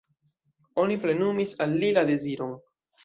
Oni plenumis al li la deziron.